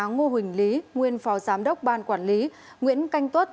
ngo huỳnh lý nguyên phó giám đốc ban quản lý nguyễn canh tuất